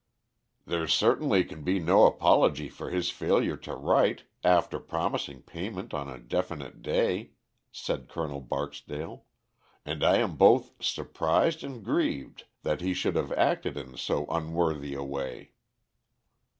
"There certainly can be no apology for his failure to write, after promising payment on a definite day," said Col. Barksdale; "and I am both surprised and grieved that he should have acted in so unworthy a way!"